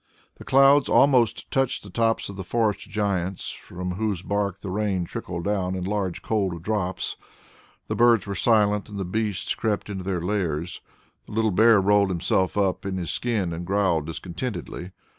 The clouds almost touched the tops of the forest giants, from whose bark the rain trickled down in large cold drops; the birds were silent and the beasts crept into their lairs. The little bear rolled himself up in his skin and growled discontentedly.